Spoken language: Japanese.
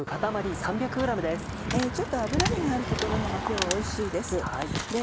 ちょっと脂身がある所のが今日はおいしいです。